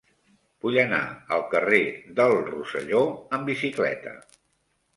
Vull anar al carrer del Rosselló amb bicicleta.